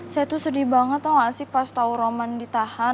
saya tuh sedih banget tau gak sih pas tau roman ditahan